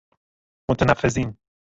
متنفذین